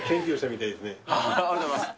ありがとうございます。